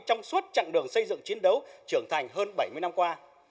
trong suốt chặng đường xây dựng chiến đấu trưởng thành hơn bảy mươi năm qua